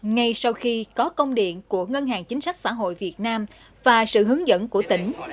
ngay sau khi có công điện của ngân hàng chính sách xã hội việt nam và sự hướng dẫn của tỉnh